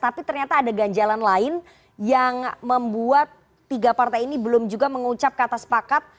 tapi ternyata ada ganjalan lain yang membuat tiga partai ini belum juga mengucap kata sepakat